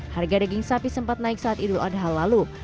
harga daging sapi sempat naik saat idul adha lalu